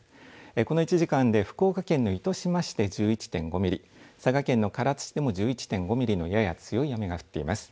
この１時間で福岡県の糸島市で１１．５ミリ、佐賀県の唐津市でも１１．５ミリのやや強い雨が降っています。